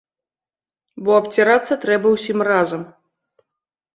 Бо абцірацца трэба ўсім разам.